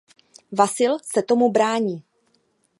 Vasil se tomu brání.